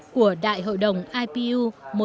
của đại hội đồng ipu một trăm ba mươi hai